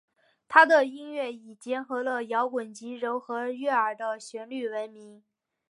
她的音乐以结合了摇滚及柔和悦耳的旋律闻名。